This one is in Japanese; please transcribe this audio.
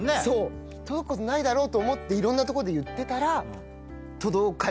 届くことないだろうと思っていろんなとこで言ってたら。